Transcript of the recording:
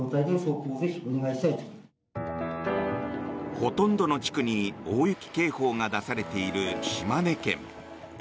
ほとんどの地区に大雪警報が出されている島根県。